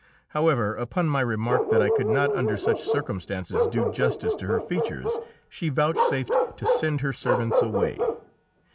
However, upon my remark that I could not under such circumstances do justice to her features, she vouchsafed to send her servants away.